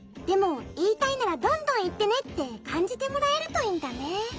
でもいいたいならどんどんいってね」ってかんじてもらえるといいんだね。